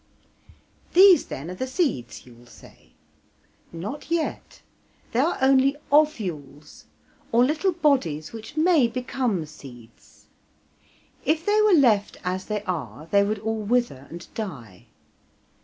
"These, then, are seeds," you will say. Not yet; they are only ovules, or little bodies which may become seeds. If they were left as they are they would all wither and die.